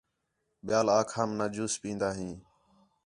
ٻِیال آکھام نہ جوس پِین٘دا ہیں